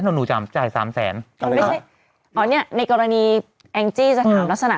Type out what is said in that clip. หนูจำจ่ายสามแสนปะเมื่อกี้อ๋อเนี้ยในกรณีจะถามรักษณะ